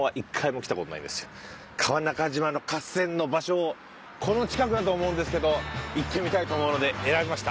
川中島の合戦の場所をこの近くだと思うんですけど行ってみたいと思うので選びました。